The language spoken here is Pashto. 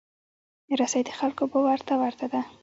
رسۍ د خلکو باور ته ورته ده.